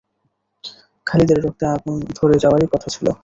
খালিদের রক্তে আগুন ধরে যাওয়ারই কথা ছিল।